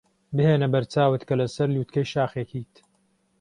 بهێنە بەرچاوت کە لەسەر لووتکەی شاخێکیت.